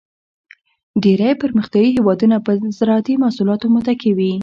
ډېری پرمختیایي هېوادونه په زراعتی محصولاتو متکی وي.